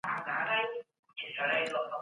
موږ د ازمويني له پاره ځانونه چمتو کول.